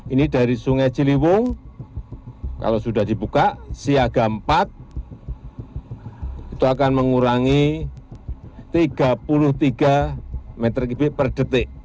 ini dari sungai ciliwung kalau sudah dibuka siaga empat itu akan mengurangi tiga puluh tiga meter kubik per detik